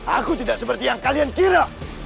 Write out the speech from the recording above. aku tidak seperti yang kalian kira